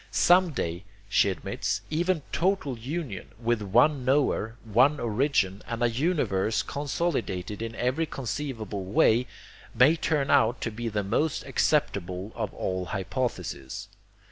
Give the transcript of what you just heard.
Some day, she admits, even total union, with one knower, one origin, and a universe consolidated in every conceivable way, may turn out to be the most acceptable of all hypotheses.